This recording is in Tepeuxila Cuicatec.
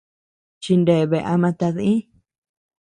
Chineabea ama tadï.